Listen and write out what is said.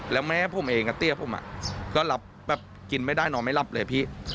แล้วแม่ผมเองกับเตี้ยผมก็รับแบบกินไม่ได้นอนไม่หลับเลยพี่